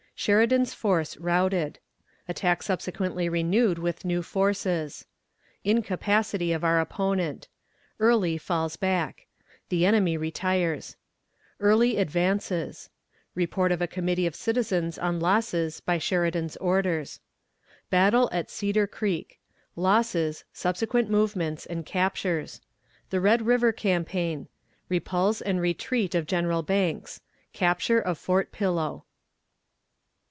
Sheridan's Force routed. Attack subsequently renewed with New Forces. Incapacity of our Opponent. Early falls back. The Enemy retires. Early advances. Report of a Committee of Citizens on Losses by Sheridan's Orders. Battle at Cedar Creek. Losses, Subsequent Movements, and Captures. The Red River Campaign. Repulse and Retreat of General Banks. Capture of Fort Pillow.